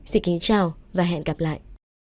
xin kính chào và hẹn gặp lại